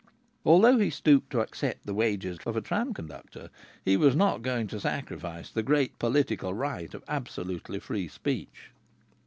Although he stooped to accept the wages of a tram conductor, he was not going to sacrifice the great political right of absolutely free speech.